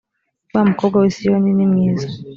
wa mukobwa w i siyoni nimwiza